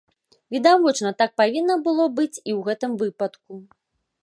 Відавочна, так павінна было быць і ў гэтым выпадку.